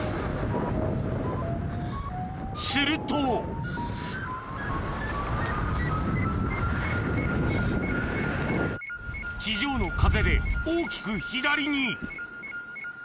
すると地上の風で大きく左に！